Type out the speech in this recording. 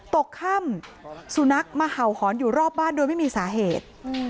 ตกค่ำสุนัขมาเห่าหอนอยู่รอบบ้านโดยไม่มีสาเหตุ